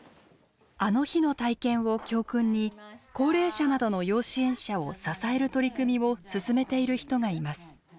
あの日の体験を教訓に高齢者などの要支援者を支える取り組みを進めている人がいます。